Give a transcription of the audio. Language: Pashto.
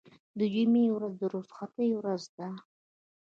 د جمعې ورځ د رخصتۍ ورځ ده.